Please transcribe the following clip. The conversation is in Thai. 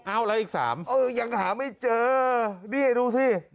แล้วอีก๓เออยังหาไม่เจอนี่ดูสิ